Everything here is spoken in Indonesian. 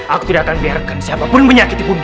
aku tidak akan biarkan siapa pun menyakiti bunda